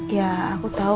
ya aku tau